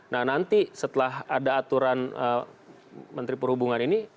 nah nanti setelah ada aturan menteri perhubungan ini